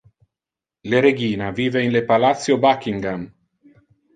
Le regina vive in le palatio Buckingham.